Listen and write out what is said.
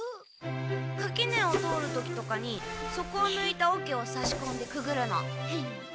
かきねを通る時とかに底をぬいた桶をさしこんでくぐるの。